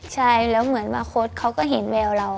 ใช่แล้วเหมือนมาคดเขาก็เห็นแมวเรา